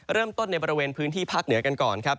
เริ่มต้นในบริเวณพื้นที่ภาคเหนือกันก่อนครับ